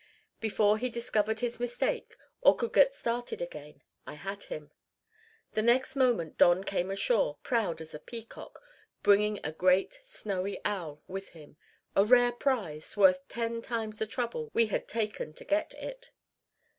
Before he discovered his mistake or could get started again, I had him. The next moment Don came ashore, proud as a peacock, bringing a great snowy owl with him a rare prize, worth ten times the trouble we had taken to get it.